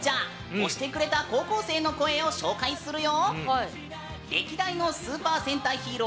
推してくれた高校生の声を紹介するよ！